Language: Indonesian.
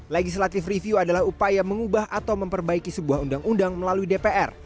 legislative review adalah upaya mengubah atau memperbaiki sebuah undang undang melalui dpr